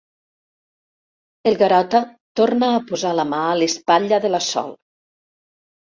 El Garota torna a posar la mà a l'espatlla de la Sol.